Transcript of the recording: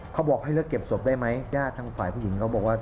เขาบอกให้เลือกเก็บศพได้ไหมญาติทางฝ่ายผู้หญิงเขาบอกว่า